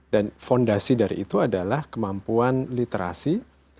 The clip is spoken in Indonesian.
dan fondasi dari itu adalah kemampuan literasi dan daya nama